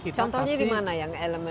contohnya di mana yang elemen